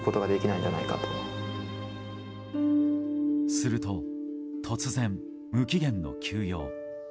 すると突然、無期限の休養。